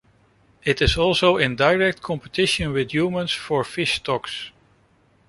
It is also in direct competition with humans for fish stocks.